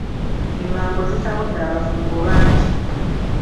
Engambo zitabudde abafumbo bangi.